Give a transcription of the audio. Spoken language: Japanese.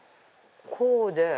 こうで。